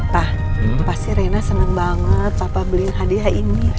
pak pasti reyna senang banget papa beliin hadiah ini